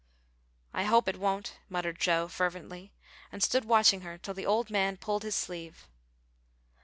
"I hope it won't," muttered Joe, fervently, and stood watching her till the old man pulled his sleeve.